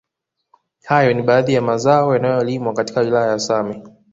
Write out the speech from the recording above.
Hayo ni baadhi ya mazao yanayolimwa katika wilaya ya same